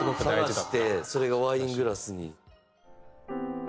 探してそれがワイングラスに。